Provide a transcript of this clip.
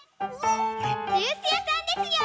ジュースやさんですよ！